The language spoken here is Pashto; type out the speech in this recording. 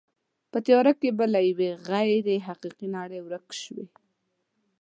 په تیاره کې به له یوې غیر حقیقي نړۍ ورک شوې.